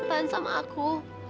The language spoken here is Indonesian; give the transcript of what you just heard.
tahan sama aku